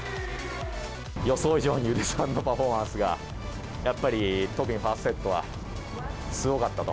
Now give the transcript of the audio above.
予想以上にウデさんのパフォーマンスがやっぱり、特にファーストセットはすごかったと。